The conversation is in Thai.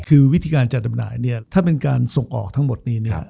คือวิธีการจัดจำหน่ายเนี่ยถ้าเป็นการส่งออกทั้งหมดนี้